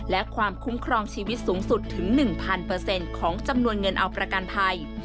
และความคุ้มครองชีวิตสูงสุดถึง๑๐๐ของจำนวนเงินเอาประกันภัย